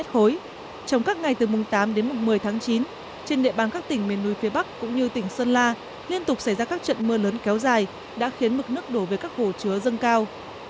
trong các ngày từ mùng tám đến mùng một mươi tháng chín trên địa bàn các tỉnh miền núi phía bắc cũng như tỉnh sơn la liên tục xảy ra các trận mưa lớn kéo dài đã khiến mực nước đổ về các hồ chứa dâng cao